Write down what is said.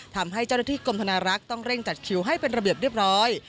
ทำให้เจ้าหน้าที่กรมธนารักษ์ต้องเร่งจัดคิวให้เป็นระเบียบเรียบร้อย